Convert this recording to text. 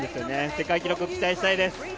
世界記録、期待したいです。